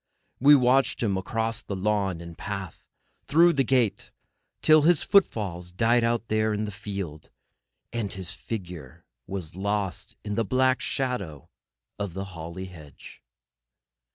We watched him across the lawn and path, and through the gate, till his footfalls died out there in the field, and his figure was lost in the black shadow of the holly hedge.